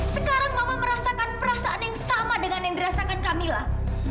sekarang mama merasakan perasaan yang sama dengan yang dirasakan kamilah